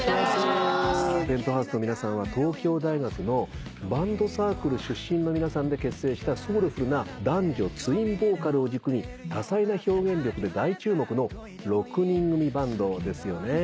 Ｐｅｎｔｈｏｕｓｅの皆さんは東京大学のバンドサークル出身の皆さんで結成したソウルフルな男女ツインボーカルを軸に多彩な表現力で大注目の６人組バンドですよね。